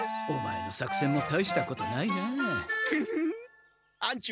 オマエの作戦も大したことないなあ。